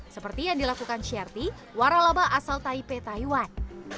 seperti yang dilakukan sherty waralaba asal taipei taiwan